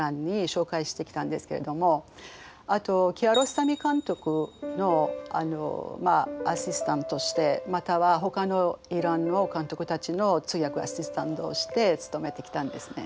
あとキアロスタミ監督のアシスタントしてまたはほかのイランの監督たちの通訳アシスタントをして勤めてきたんですね。